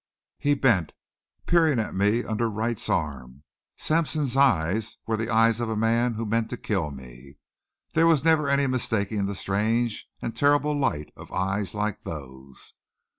He bent, peering at me under Wright's arm. Sampson's eyes were the eyes of a man who meant to kill me. There was never any mistaking the strange and terrible light of eyes like those.